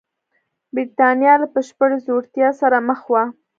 برېټانیا له بشپړې ځوړتیا سره مخ وه.